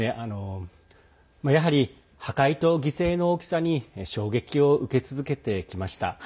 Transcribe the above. やはり、破壊と犠牲の大きさに衝撃を受け続けてきました。